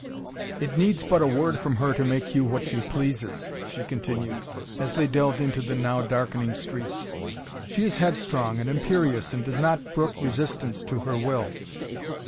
"It needs but a word from her to make you what she pleases," she continued, as they delved into the now darkening streets. "She is headstrong and imperious and does not brook resistance to her will."